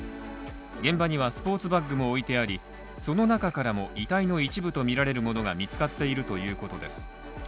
現場にはスポーツバックも置いてあり、その中からも、遺体の一部とみられるものが見つかっているということです。